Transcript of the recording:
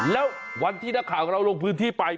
แล้ววันที่เราลงพื้นที่ไป